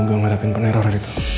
capek juga ngeladakin peneroran itu